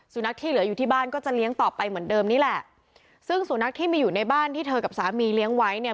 สุนัขที่เหลืออยู่ที่บ้านก็จะเลี้ยงต่อไปเหมือนเดิมนี่แหละซึ่งสุนัขที่มีอยู่ในบ้านที่เธอกับสามีเลี้ยงไว้เนี่ย